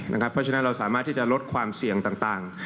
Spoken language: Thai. เพราะฉะนั้นเราสามารถที่จะลดความเสี่ยงต่าง